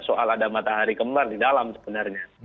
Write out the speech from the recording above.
soal ada matahari kembar di dalam sebenarnya